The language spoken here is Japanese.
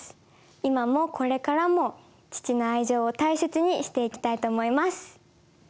今もこれからも父の愛情を大切にしていきたいと思います。